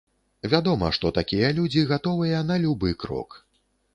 Вядома, што такія людзі гатовыя на любы крок.